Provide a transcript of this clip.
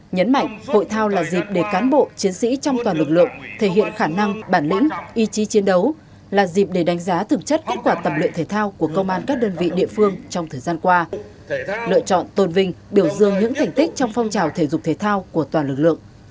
nhấn mạnh hội thao là dịp để cán bộ chiến sĩ trong toàn lực lượng thể hiện khả năng bản lĩnh ý chí chiến đấu là dịp để đánh giá thực chất kết quả tập luyện thể thao của công an các đơn vị địa phương trong thời gian qua lựa chọn tôn vinh biểu dương những thành tích trong phong trào thể dục thể thao của toàn lực lượng